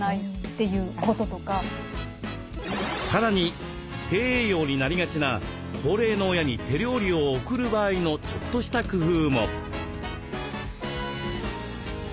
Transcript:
さらに低栄養になりがちな高齢の親に手料理を送る場合のちょっとした工夫も。